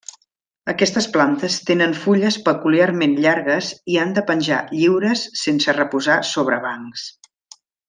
Aquestes plantes tenen fulles peculiarment llargues i han de penjar lliures sense reposar sobre bancs.